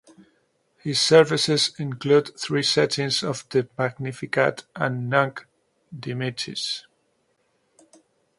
His services include three settings of the Magnificat and Nunc dimittis.